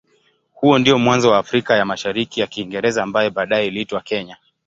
Huo ndio mwanzo wa Afrika ya Mashariki ya Kiingereza ambaye baadaye iliitwa Kenya.